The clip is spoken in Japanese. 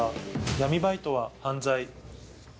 闇バイトは犯罪。